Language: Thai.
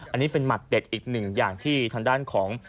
อันนี้เป็นหมัดเด็ดอีกหนึ่งอย่างที่ทางด้านของ